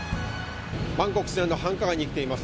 バンコク市内の繁華街に来ています。